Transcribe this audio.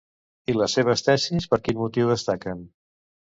I les seves tesis per quin motiu destaquen?